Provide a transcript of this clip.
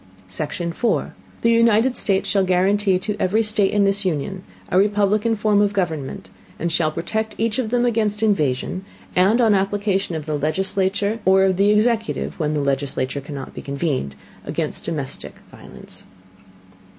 Section 4. The United States shall guarantee to every State in this Union a Republican Form of Government, and shall protect each of them against Invasion; and on Application of the Legislature, or of the Executive (when the Legislature cannot be convened) against domestic Violence.